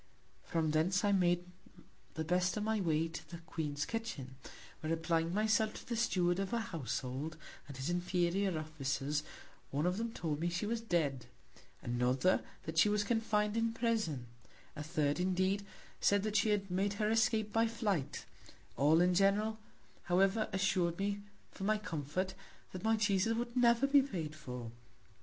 From thence I made the best of my Way to the Queen's Kitchin; where, applying my self to the Steward of her Household, and his inferior Officers; one of them told me she was dead; another, that she was confin'd in Prison; a third, indeed, said that she had made her Escape by Flight; all in general, however, assur'd me for my Comfort, that my Cheeses would never be paid for.